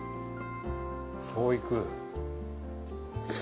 そういく。